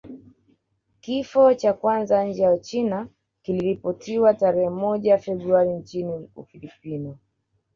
Kifo cha kwanza nje ya Uchina kiliripotiwa tarehe moja Februari nchini Ufilipino